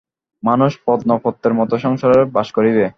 মানুষ পদ্মপত্রের মত সংসারে বাস করিবে।